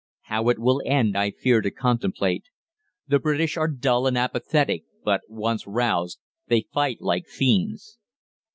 How it will end I fear to contemplate. The British are dull and apathetic, but, once roused, they fight like fiends.